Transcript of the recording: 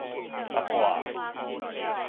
八卦紅